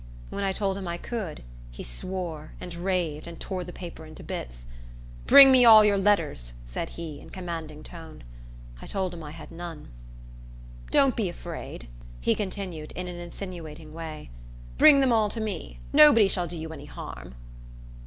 When I told him I could, he swore, and raved, and tore the paper into bits. "Bring me all your letters!" said he, in commanding tone. I told him I had none. "Don't be afraid," he continued, in an insinuating way. "Bring them all to me. Nobody shall do you any harm."